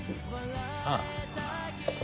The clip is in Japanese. ああ。